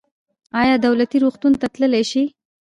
ایا دولتي روغتون ته تللی شئ؟